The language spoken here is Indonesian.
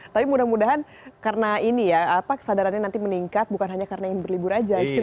tapi mudah mudahan karena ini ya apa kesadarannya nanti meningkat bukan hanya karena ingin berlibur aja gitu